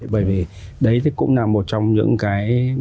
bởi vì đấy cũng là một trong những cái